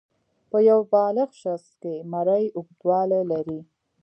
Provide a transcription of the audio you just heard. په یو بالغ شخص کې مرۍ اوږدوالی لري.